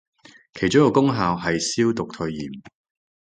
其中一個功效係消毒退炎